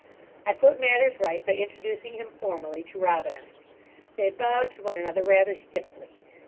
I put matters right by introducing him formally to Robina. They bowed to one another rather stiffly.